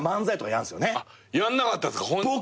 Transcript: やんなかったんすか？